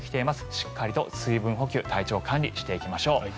しっかりと水分補給体調管理、していきましょう。